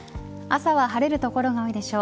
朝は晴れる所が多いでしょう。